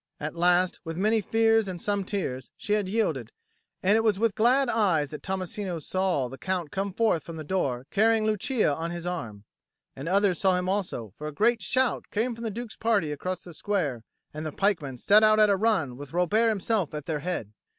At last, with many fears and some tears, she had yielded, and it was with glad eyes that Tommasino saw the Count come forth from the door carrying Lucia on his arm; and others saw him also; for a great shout came from the Duke's party across the square, and the pikemen set out at a run with Robert himself at their head.